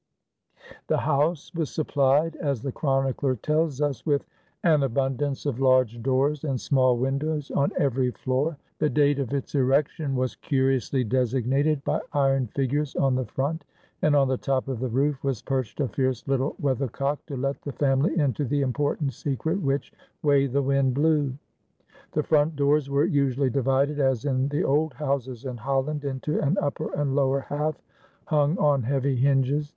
The house was supplied, as the chronicler tells us, with "an abundance of large doors and small windows on every floor, the date of its erection was curiously designated by iron figures on the front, and on the top of the roof was perched a fierce little weather cock to let the family into the important secret which way the wind blew." The front doors were usually divided, as in the old houses in Holland, into an upper and lower half hung on heavy hinges.